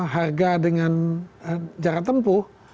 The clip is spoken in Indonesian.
harga dengan jarak tempuh